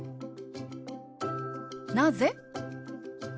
「なぜ？」。